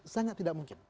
sangat tidak mungkin